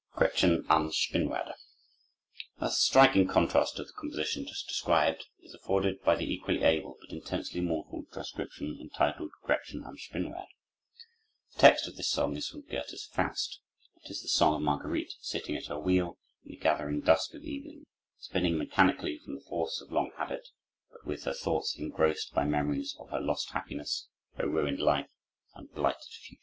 Gretchen am Spinnrad A striking contrast to the composition just described is afforded by the equally able but intensely mournful transcription entitled "Gretchen am Spinnrad." The text of this song is taken from Goethe's "Faust." It is the song of Marguerite, sitting at her wheel, in the gathering dusk of evening, spinning mechanically from the force of long habit, but with her thoughts engrossed by memories of her lost happiness, her ruined life, and blighted future.